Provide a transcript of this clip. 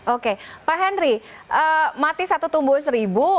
oke pak henry mati satu tumbuh seribu